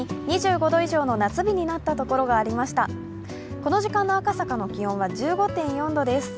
この時間の赤坂の気温は１５．４度です。